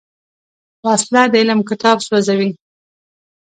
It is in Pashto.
وسله د علم کتاب سوځوي